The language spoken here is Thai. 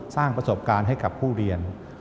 สร้างประสบการณ์ให้กับผู้เรียน